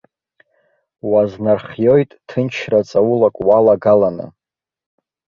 Уазнархиоит ҭынчра ҵаулак уалагаланы.